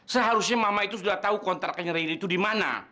seharusnya mama itu sudah tahu kontraknya rail itu di mana